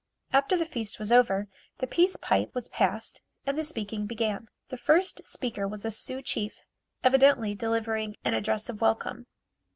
After the feast was over, the peace pipe was passed and the speaking began. The first speaker was a Sioux chief, evidently delivering an address of welcome.